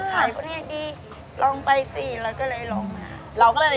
ถ้าไม่ได้จริงเราก็กัดชมรี